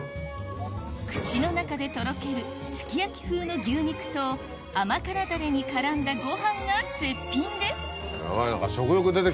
口の中でとろけるすき焼き風の牛肉と甘辛ダレに絡んだご飯が絶品です